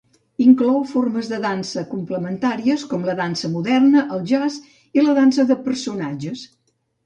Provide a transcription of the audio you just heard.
Inclou formes de dansa complementàries com la dansa moderna, el jazz i la dansa de personatges